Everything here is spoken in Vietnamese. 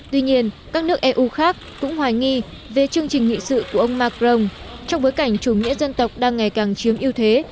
tuy nhiên các nước eu khác cũng hoài nghi về chương trình nghị sự của ông macron trong bối cảnh chủ nghĩa dân tộc đang ngày càng chiếm ưu thế